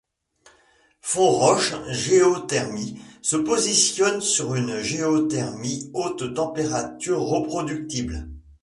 Fonroche Géothermie se positionne sur une géothermie haute-température reproductible.